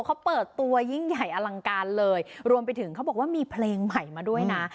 เขาเปิดตัวยิ่งใหญ่อลังการเลยรวมไปถึงเขาบอกว่ามีเพลงใหม่มาด้วยนะ